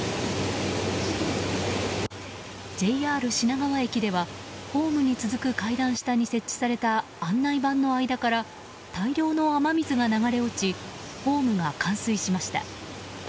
ＪＲ品川駅ではホームに続く階段下に設置された案内板の間から大量の雨水が流れ落ちホームが冠水しました。